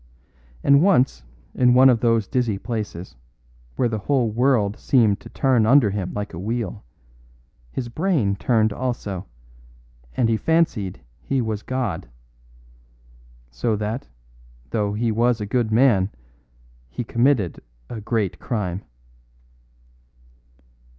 And once in one of those dizzy places, where the whole world seemed to turn under him like a wheel, his brain turned also, and he fancied he was God. So that, though he was a good man, he committed a great crime."